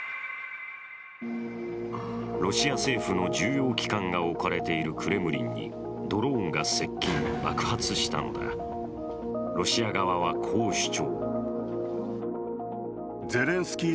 ロシア政府の重要機関が置かれているクレムリンにドローンが接近爆発したのだ、ロシア側はこう主張。